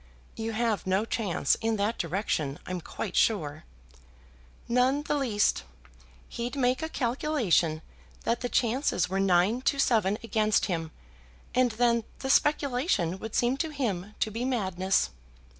"You have no chance in that direction, I'm quite sure." "None the least. He'd make a calculation that the chances were nine to seven against him, and then the speculation would seem to him to be madness."